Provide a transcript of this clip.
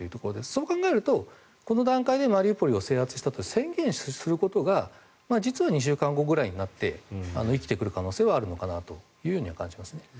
そう考えるとこの段階でマリウポリを制圧したと宣言することが実は２週間後ぐらいになって生きてくる可能性はあるのかなと感じますね。